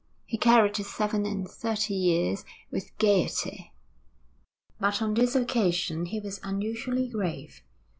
He carried his seven and thirty years with gaiety. But on this occasion he was unusually grave.